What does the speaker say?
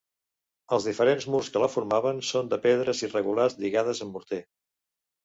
Els diferents murs que la formaven són de pedres irregulars lligades amb morter.